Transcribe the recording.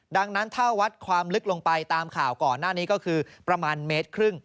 ดังนั้นถ้าวัดความลึกลงไปตามข่าวก่อนหน้านี้ก็คือประมาณเมตรครึ่ง